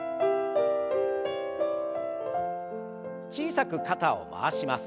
小さく肩を回します。